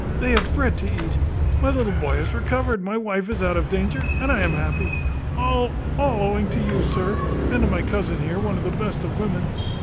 they have bread to eat. My little boy is recovered; my wife is out of danger, and I am happy. All, all owing to you, sir, and to my cousin here, one of the best of women.